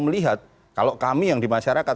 melihat kalau kami yang di masyarakat